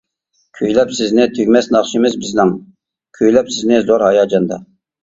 كۈيلەپ سىزنى تۈگىمەس ناخشىمىز بىزنىڭ، كۈيلەپ سىزنى زور ھاياجاندا.